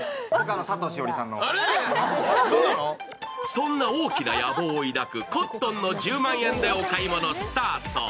そんな大きな野望を抱くコットンの１０万円でお買い物スタート。